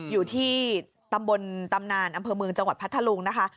อยู่ที่ตำบลตำนานอำเภอเมืองจังหวัดพัทธลุงนะคะ